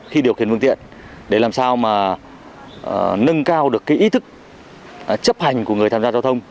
khi điều khiển phương tiện để làm sao mà nâng cao được ý thức chấp hành của người tham gia giao thông